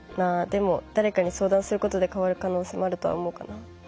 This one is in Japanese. でも誰かに相談する事で変わる可能性もあるとは思うかな」。